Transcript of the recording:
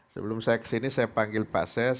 sebelum saya kesini saya panggil pak ses